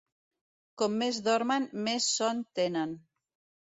Com més dormen més son tenen.